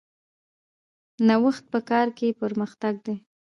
نوښت په کار کې پرمختګ دی